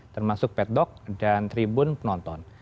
termasuk petdock dan tribun penonton